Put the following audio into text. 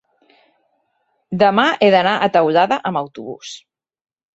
Demà he d'anar a Teulada amb autobús.